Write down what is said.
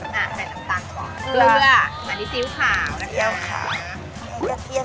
เนี้ยเกาะเทียม